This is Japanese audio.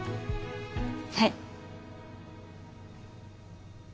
はい。